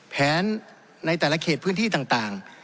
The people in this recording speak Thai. แผนในแต่ละเขตพื้นที่ต่าง